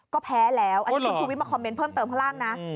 ก็แพ้แล้วอันนี้คุณชูวิทมาคอมเมนต์เพิ่มเติมข้างล่างนะ